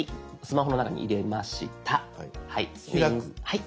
はい。